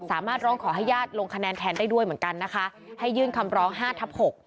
สามารถลองขอให้ญาติลงคะแนนแค่นได้ด้วยเหมือนกันให้ยื่นคำล้อง๕ทับ๖